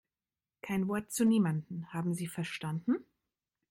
Kein Wort zu niemandem, haben Sie verstanden?